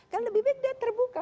kan lebih baik dia terbuka